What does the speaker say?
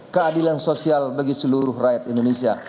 keadilan sosial bagi seluruh rakyat indonesia